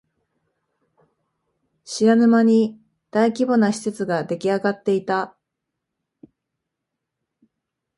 知らぬ間に大規模な施設ができあがっていた